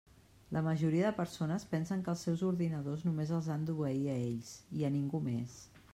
La majoria de persones pensen que els seus ordinadors només els han d'obeir a ells i a ningú més.